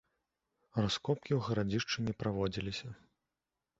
Раскопкі ў гарадзішчы не праводзіліся.